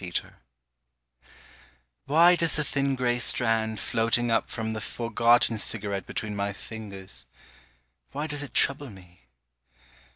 SORROW WHY does the thin grey strand Floating up from the forgotten Cigarette between my fingers, Why does it trouble me?